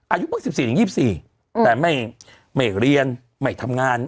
อายุบกลุ่ม๑๔๒๔แต่ไม่เหลียนไม่ทำงาน